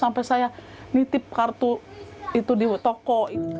sampai saya nitip kartu itu di toko